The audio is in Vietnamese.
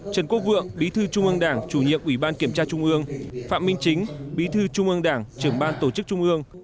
trần quốc vượng bí thư trung ương đảng chủ nhiệm ủy ban kiểm tra trung ương phạm minh chính bí thư trung ương đảng trưởng ban tổ chức trung ương